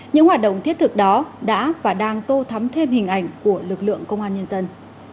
những hoạt động thiết thực đó đã và đang tô thắm thêm hình ảnh của lực lượng công an nhân dân